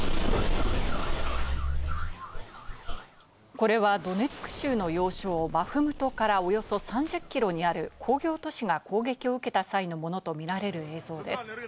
これはドネツク州の要衝バフムトからおよそ３０キロにある工業都市が攻撃を受けた際のものと見られる映像です。